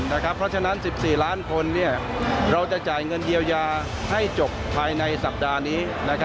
เพราะฉะนั้น๑๔ล้านคนเราจะจ่ายเงินเยียวยาให้จบภายในสัปดาห์นี้